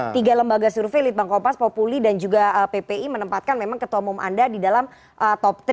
tiga lembaga survei litbang kompas populi dan juga ppi menempatkan memang ketua umum anda di dalam top tiga